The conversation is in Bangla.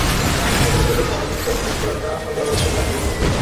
এতে যদি তাদের ক্ষমতা থাকত ক্ষতি করার তা হলে অবশ্যই তারা তাঁর ক্ষতি করত।